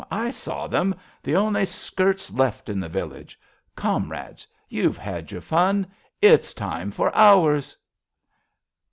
I saw them ! The only skirts Left in the village. Comrades, you've had your fun — It's time for ours.